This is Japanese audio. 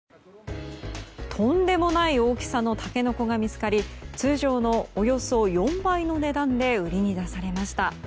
とんでもない大きさのタケノコが見つかり通常のおよそ４倍の値段で売りに出されました。